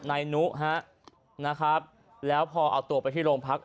นายนุฮะนะครับแล้วพอเอาตัวไปที่โรงพัก